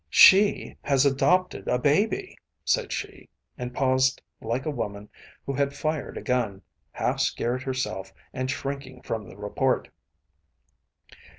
“She has adopted a baby,‚ÄĚ said she, and paused like a woman who had fired a gun, half scared herself and shrinking from the report.